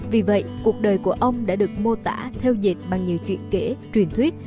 vì vậy cuộc đời của ông đã được mô tả theo dịch bằng nhiều chuyện kể truyền thuyết